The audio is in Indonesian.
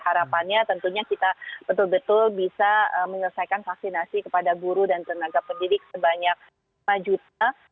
harapannya tentunya kita betul betul bisa menyelesaikan vaksinasi kepada guru dan tenaga pendidik sebanyak lima juta